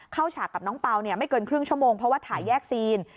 ฉากกับน้องเปล่าไม่เกินครึ่งชั่วโมงเพราะว่าถ่ายแยกซีน